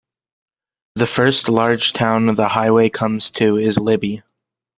The first large town the highway comes to is Libby.